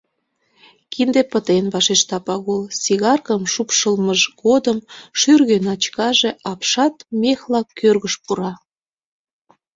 Кинде пытен, — вашешта Пагул, сигаркым шупшылмыж годым шӱргӧ начкаже апшат мехла кӧргыш пура.